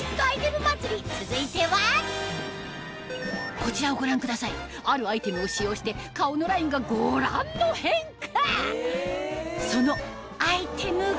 こちらをご覧くださいあるアイテムを使用して顔のラインがご覧の変化